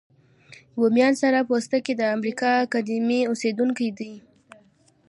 بومیان یا سره پوستکي د امریکا قديمي اوسیدونکي دي.